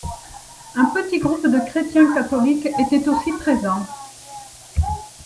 Un petit groupe de chrétiens catholiques était aussi présent.